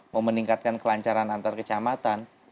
mau meningkatkan kelancaran antar kecamatan